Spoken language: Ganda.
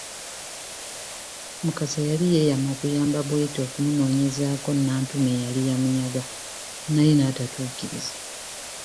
Mukasa yali yeeyama okuyamba Bwete okumunoonyezaako Nantume eyali yamunyaga naye n’atatuukiriza.